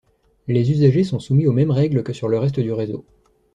Les usagers sont soumis aux mêmes règles que sur le reste du réseau.